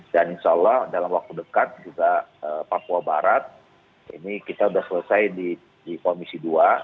dan insya allah dalam waktu dekat juga papua barat ini kita sudah selesai di komisi dua